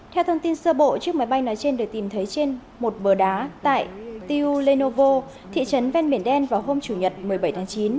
theo thông tin sơ bộ chiếc máy bay nói trên được tìm thấy trên một bờ đá tại tiu lenovo thị trấn ven biển den vào hôm chủ nhật một mươi bảy tháng chín